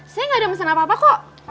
saya gak ada pesan apa apa kok